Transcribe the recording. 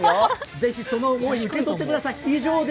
ぜひ、その思い、受け取ってください。